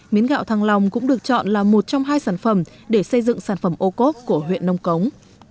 miến gạo thăng long cũng được chọn là một trong hai sản phẩm để xây dựng sản phẩm ô cốp của huyện nông cống